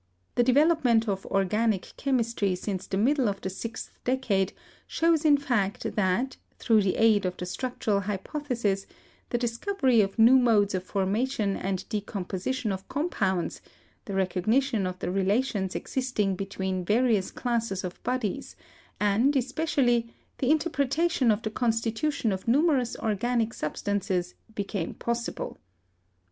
The development of organic chemistry since the middle of the sixth decade shows in fact that, through the aid of the structural hypothesis, the discovery of new modes of formation and decomposi tion of compounds, the recognition of the relations exist ing between various classes of bodies, and, especially, the interpretation of the constitution of numerous organic substances became possible.